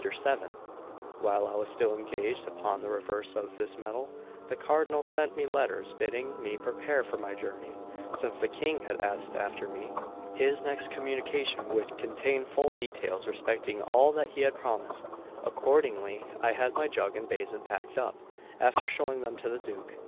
VII WHILE I was still engaged upon the reverse of this medal, the Cardinal sent me letters bidding me prepare for my journey, since the King had asked after me. His next communication would contain full details respecting all that he had promised. Accordingly, I had my jug and basin packed up, after showing them to the Duke.